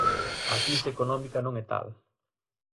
A crise económica non é tal.